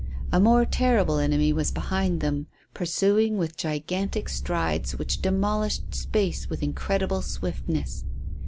A more terrible enemy was behind them, pursuing with gigantic strides which demolished space with incredible swiftness.